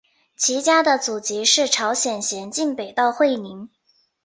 其家的祖籍是朝鲜咸镜北道会宁。